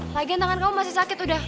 lagian tangan kamu masih sakit udah